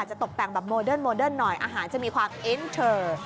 จะตกแต่งแบบโมเดิร์นหน่อยอาหารจะมีความเอ็นเทอร์